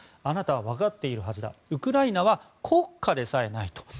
あなたはわかっているはずだウクライナは国家でさえないと。